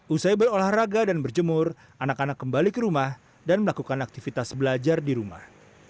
usai berolahraga dan berjemur anak anak kembali ke rumah dan melakukan aktivitas belajar di rumah